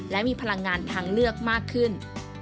และมีพลังงานทางเลือกมากขึ้น